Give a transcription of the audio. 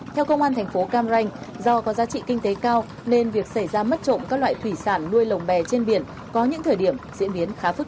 theo công an thành phố cam ranh do có giá trị kinh tế cao nên việc xảy ra mất trộm các loại thủy sản nuôi lồng bè trên biển có những thời điểm diễn biến khá phức